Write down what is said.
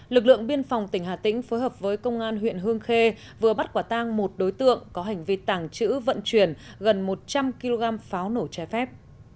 lực lượng biên phòng tỉnh hà tĩnh phối hợp với công an huyện hương khê vừa bắt quả tang một đối tượng có hành vi tàng trữ vận chuyển gần một trăm linh kg pháo nổ trái phép